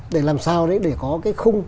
để làm sao để có cái khung